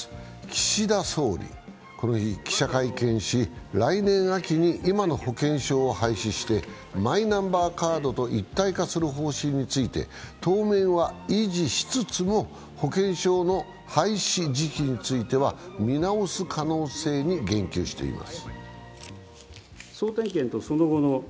岸田総理、この日記者会見し来年秋に今の保険証を廃止して、マイナンバーカードと一体化する方針について当面は維持しつつも保険証の廃止時期については見直す可能性に言及しています。